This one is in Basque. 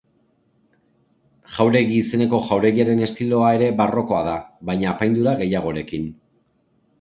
Jauregi izeneko jauregiaren estiloa ere barrokoa da, baina apaindura gehiagorekin.